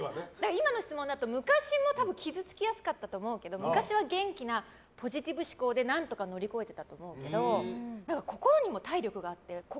今の質問だと昔も傷つきやすかったと思うけど昔は元気なポジティブ思考で何とか乗り越えてたと思うけど、心にも体力があって。